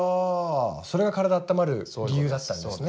それが体あったまる理由だったんですね？